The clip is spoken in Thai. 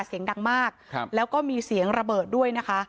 เสียงดังมากแล้วก็มีเสียงระเบิดด้วยนะคะ